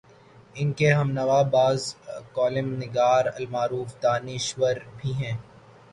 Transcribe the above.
ان کے ہم نوا بعض کالم نگار المعروف دانش ور بھی ہیں۔